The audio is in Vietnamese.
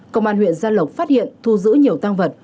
công an huyện gia lộc phát hiện thu giữ nhiều tăng vật